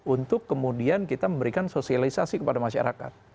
untuk kemudian kita memberikan sosialisasi kepada masyarakat